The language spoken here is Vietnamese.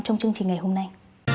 trong chương trình ngày hôm nay